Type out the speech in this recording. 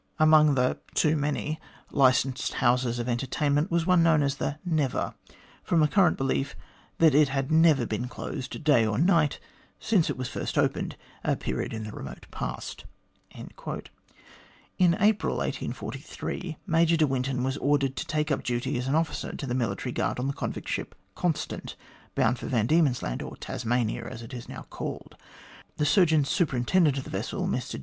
Among the too many MAJOR DE WINTON: OLDEST LIVING GLADSTONIAN 177 licensed houses of entertainment, was one known as the c Never,' from a current belief that it had never been closed, day or night, since it was first opened, at a period in the remote past." In April, 1843, Major de Winton was ordered to take up duty as an officer of the military guard on the convict ship Constant, bound for Van Diemen's Land, or Tasmania, as it is now called. The Surgeon Superintendent of the vessel, Mr J. S.